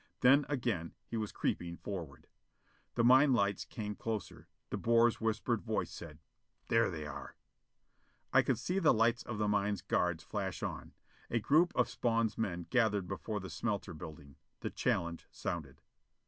Then again he was creeping forward. The mine lights came closer. De Beer's whispered voice said: "There they are!" I could see the lights of the mine's guards flash on. A group of Spawn's men gathered before the smelter building. The challenge sounded.